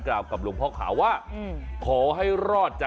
แก้บนงิ้วแก้ผ้า